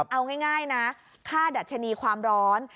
เอาง่ายนะค่าดัชนีความร้อน